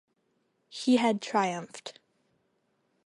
He had triumphed.